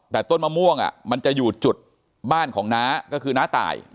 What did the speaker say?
แต่ต้นมะม่วงมันจะอยู่จุดบ้านของน้าก็คือน้าตาย